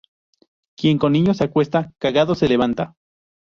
Quien con niños se acuesta, cagado se levanta